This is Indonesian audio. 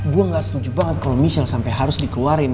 gua gak setuju banget kalo michelle sampe harus dikeluarin